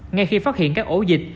ngay khi phát hiện các ổ dịch